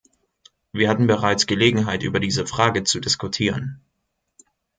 Wir hatten bereits Gelegenheit, über diese Frage zu diskutieren.